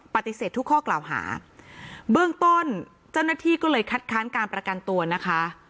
ปฏิเสธทุกข้อกล่าวหาเบื้องต้นเจ้าหน้าที่ก็เลยคัดค้านการประกันตัวนะคะ